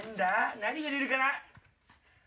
何が出るかな？